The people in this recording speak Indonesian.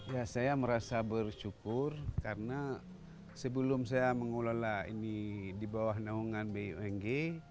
ya saya merasa bersyukur karena sebelum saya mengelola ini di bawah naungan bung